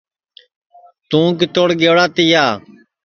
توں کِتوڑ گئوڑا تیا